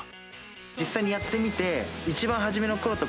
実際にやってみて。